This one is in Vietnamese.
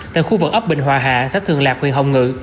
tại khu vực ấp bình hòa hà sách thường lạc huyện hồng ngự